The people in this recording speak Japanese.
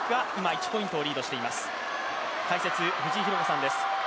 解説、藤井寛子さんです。